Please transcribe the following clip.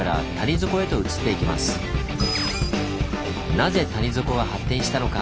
なぜ谷底が発展したのか？